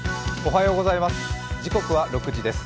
おはようございます。